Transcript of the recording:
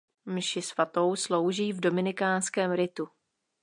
Mši svatou slouží v dominikánském ritu.